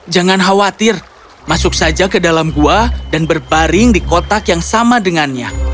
jangan khawatir masuk saja ke dalam gua dan berbaring di kotak yang sama dengannya